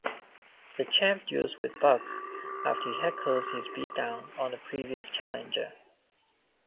The Champ duels with Bugs after he heckles his beatdown on a previous challenger.